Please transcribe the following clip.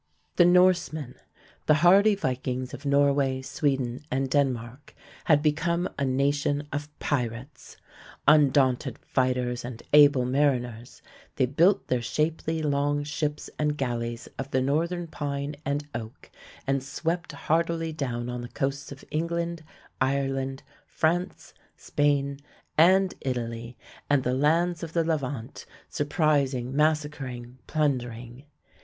The Norsemen the hardy vikings of Norway, Sweden, and Denmark had become a nation of pirates. Undaunted fighters and able mariners, they built their shapely long ships and galleys of the northern pine and oak, and swept hardily down on the coasts of England, Ireland, France, Spain, and Italy, and the lands of the Levant, surprising, massacring, plundering.